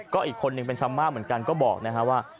ก็อีกคนหนึ่งเป็นชำมากเหมือนกันก็บอกนะครับว่า